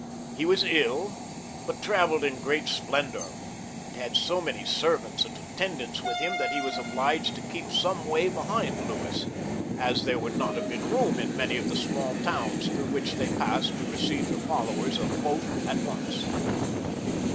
He 326 LOUIS XIIL [CH, was ill, but travelled in great splendour, and had so many servants and attendants with him that he was obliged to keep some way behind Louis, as there would not have been room in many of 'the small towns through which they {^sed to receive the followers of both at once.